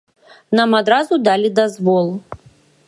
Нам адразу далі дазвол.